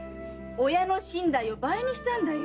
親の身代を倍にしたんだよ。